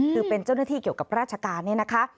คือเป็นเจ้าหน้าที่เกี่ยวกับราชการเนี่ยนะคะ